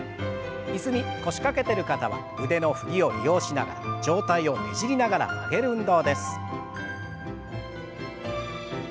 椅子に腰掛けてる方は腕の振りを利用しながら上体をねじりながら曲げる運動です。